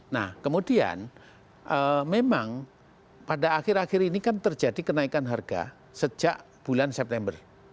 nah kemudian memang pada akhir akhir ini kan terjadi kenaikan harga sejak bulan september